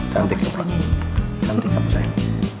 cantik tuh pak cantik kamu sayang